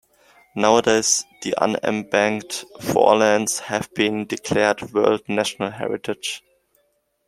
Nowadays the unembanked forelands have been declared world natural heritage.